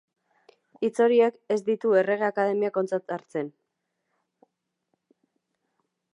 Hitz horiek ez ditu Errege Akademiak ontzat hartzen.